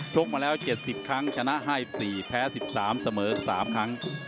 กมาแล้ว๗๐ครั้งชนะ๕๔แพ้๑๓เสมอ๓ครั้ง